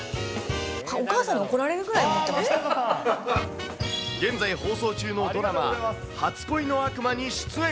お母さんに怒られるぐらいに現在放送中のドラマ、初恋の悪魔に出演。